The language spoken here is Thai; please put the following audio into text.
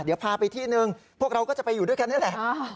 เดี๋ยวพาไปที่หนึ่งพวกเราก็จะไปอยู่ด้วยกันนี่แหละ